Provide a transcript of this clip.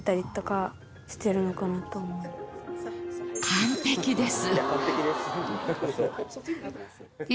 完璧です。